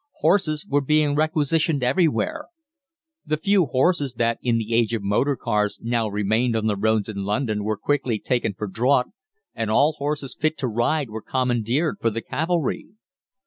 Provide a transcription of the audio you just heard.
Horses were being requisitioned everywhere. The few horses that, in the age of motor cars, now remained on the roads in London were quickly taken for draught, and all horses fit to ride were commandeered for the cavalry.